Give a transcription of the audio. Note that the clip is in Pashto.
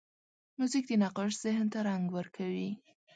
موزیک د نقاش ذهن ته رنګ ورکوي.